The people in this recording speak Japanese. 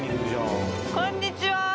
こんにちは！